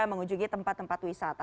mengunjungi tempat tempat wisata